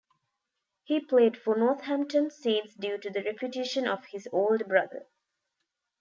He played for Northampton Saints due to the reputation of his older brother.